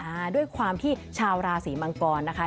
อ่าด้วยความที่ชาวราศีมังกรนะคะ